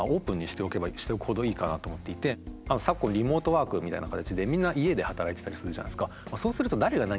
基本的に昨今リモートワークみたいな形でみんな家で働いてたりするじゃないですか。